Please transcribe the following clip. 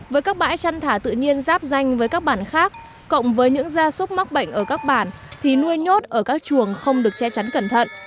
với các bãi chăn thả tự nhiên giáp danh với các bản khác cộng với những gia súc mắc bệnh ở các bản thì nuôi nhốt ở các chuồng không được che chắn cẩn thận